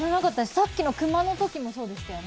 さっきのクマのときもそうでしたよね。